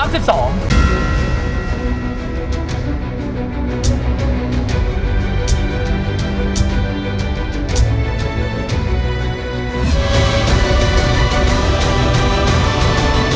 โปรดติดตามตอนต่อไป